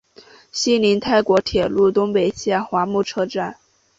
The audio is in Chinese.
西邻泰国铁路东北线华目车站。